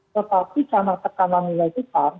tetapi karena tekanan nilai tukar